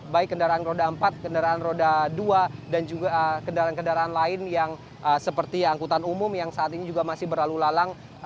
baik kendaraan roda empat kendaraan roda dua dan juga kendaraan kendaraan lain yang seperti angkutan umum yang saat ini juga masih berlalu lalang